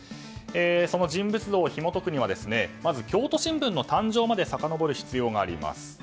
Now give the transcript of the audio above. その人物像をひも解くには京都新聞の誕生までさかのぼる必要があります。